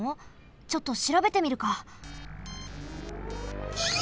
ちょっとしらべてみるか。